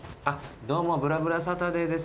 どうも『ぶらぶらサタデー』です。